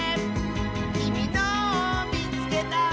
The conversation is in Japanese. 「きみのをみつけた！」